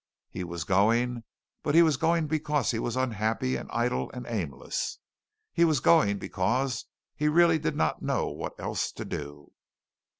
He was going, but he was going because he was unhappy and idle and aimless. He was going because he really did not know what else to do.